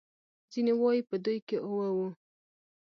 ځینې وايي په دوی کې اوه وو.